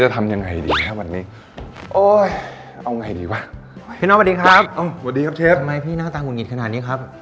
ทำไมพี่หน้าตาหุ่นหงิดขนาดนี้ครับ